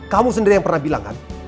kamu sendiri yang pernah bilang kan